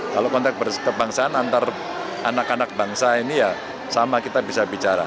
kalau konteks kebangsaan antar anak anak bangsa ini ya sama kita bisa bicara